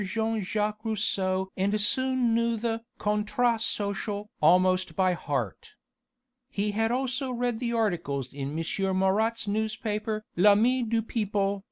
Jean Jacques Rousseau and soon knew the Contrat Social almost by heart. He had also read the articles in M. Marat's newspaper _L'ami du Peuple!